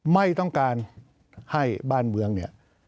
ไม่ต้องการให้บ้านเมืองเนี่ย